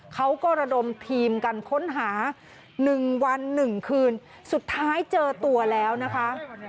เขาก็ระดมทีมกันค้นหา๑วัน๑คืนสุดท้ายเจอตัวแล้วนะคะ